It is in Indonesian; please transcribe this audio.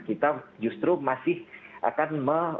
kita justru masih akan